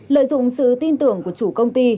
lợi dụng sự tin tưởng của chủ công ty